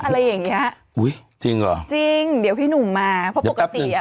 อะไรอย่างเงี้ยอุ้ยจริงเหรอจริงเดี๋ยวพี่หนุ่มมาเพราะปกติอ่ะ